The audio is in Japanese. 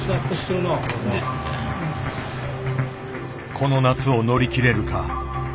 この夏を乗り切れるか。